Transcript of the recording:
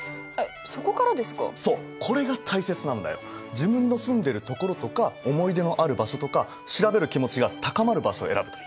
自分の住んでる所とか思い出のある場所とか調べる気持ちが高まる場所を選ぶといい。